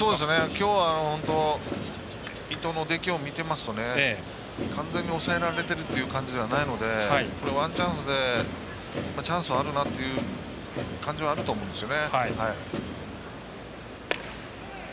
きょうは本当に伊藤の出来を見ていますと完全に抑えられているっていう感じではないのでワンチャンスでチャンスはあるなと感じはあります。